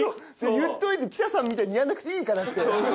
言っといて「記者さんみたいにやんなくていいから」って。